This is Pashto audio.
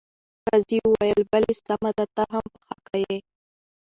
قاضي وویل بلې سمه ده ته هم په حقه یې.